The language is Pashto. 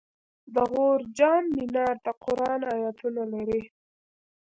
د غور جام منار د قرآن آیتونه لري